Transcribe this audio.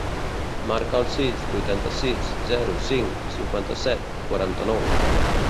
Marca el sis, vuitanta-sis, zero, cinc, cinquanta-set, quaranta-nou.